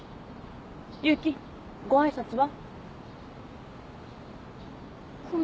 勇気ご挨拶は？